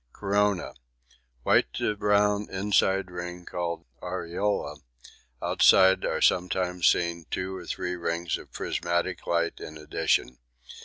Corona. White to brown inside ring called Aureola outside are sometimes seen two or three rings of prismatic light in addition.